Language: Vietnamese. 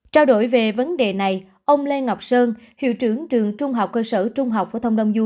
trao đổi về vấn đề này ông lê ngọc sơn hiệu trưởng trường trung học cơ sở trung học phổ thông đông du